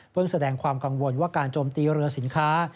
เพื่อแสดงความกังวลว่าการโจมตีเรือสินค้า